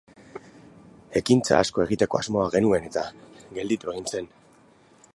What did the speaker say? Ekintza asko egiteko asmoa genuen eta... gelditu egin zen.